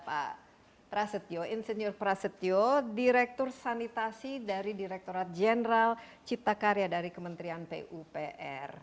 pak prasetyo insinyur prasetyo direktur sanitasi dari direkturat jenderal cipta karya dari kementerian pupr